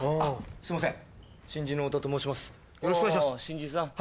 すいません。